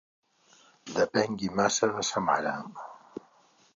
Depengui massa de sa mare.